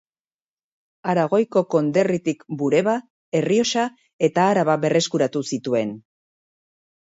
Aragoiko konderritik Bureba, Errioxa eta Araba berreskuratu zituen.